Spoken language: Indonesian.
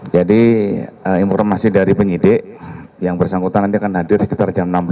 jadi informasi dari penyidik yang bersangkutan nanti akan hadir sekitar jam enam belas sore